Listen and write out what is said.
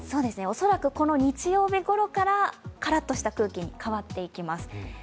恐らくこの日曜日ころからカラッとした空気に変わっていきます。